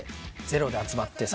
ゼロで集まって３人で。